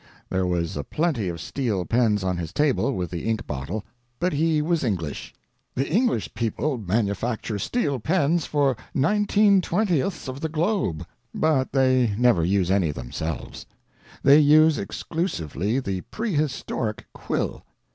There was a plenty of steel pens on his table with the ink bottle, but he was English. The English people manufacture steel pens for nineteen twentieths of the globe, but they never use any themselves. They use exclusively the pre historic quill.